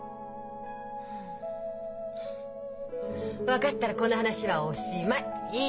分かったらこの話はおしまい！